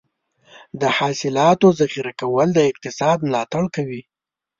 د حاصلاتو ذخیره کول د اقتصاد ملاتړ کوي.